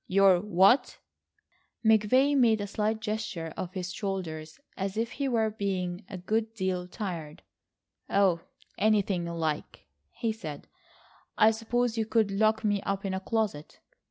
"Your what?" McVay made a slight gesture of his shoulders, as if he were being a good deal tried. "Oh, anything you like," he said. "I suppose you could lock me up in a closet."